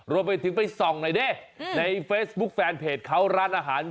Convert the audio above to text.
รวมไปถึงไปส่องหน่อยดิในเฟซบุ๊คแฟนเพจเขาร้านอาหาร